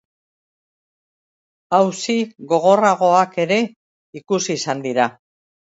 Auzi gogorragoak ere ikusi izan dira.